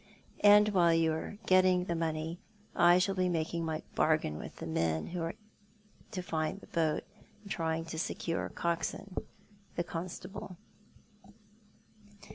And while you are getting the money I shall be making my bargain with the men who are to find the boat, and trying to secure Coxon, the constable."